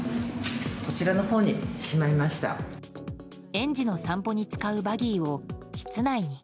園児の散歩に使うバギーを室内に。